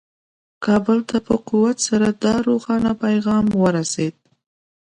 کابل ته په قوت سره دا روښانه پیغام ورسېد.